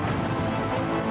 di jalan jalan menuju indonesia